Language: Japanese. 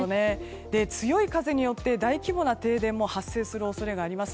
強い風によって大規模な停電も発生する恐れがあります。